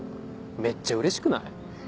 めっちゃうれしくない？